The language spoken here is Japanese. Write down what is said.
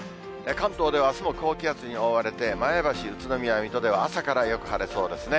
関東ではあすも高気圧に覆われて、前橋、宇都宮、水戸では朝からよく晴れそうですね。